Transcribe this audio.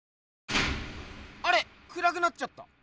あれ⁉くらくなっちゃった。